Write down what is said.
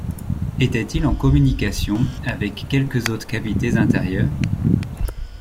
Était-il en communication avec quelques autres cavités intérieures?